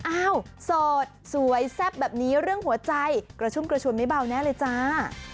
อ้าวโสดสวยแซ่บแบบนี้เรื่องหัวใจกระชุ่มกระชุนไม่เบาแน่เลยจ้า